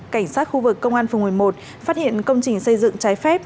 cảnh sát khu vực công an tp vũng tàu phát hiện công trình xây dựng trái phép